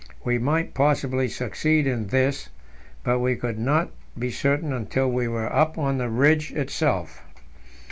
We might possibly succeed in this, but we could not be certain until we were up on the ridge itself.